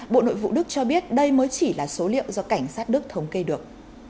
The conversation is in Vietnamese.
bộ nội vụ đức cho biết đây mới chỉ là số liệu do cảnh sát đức thống kê được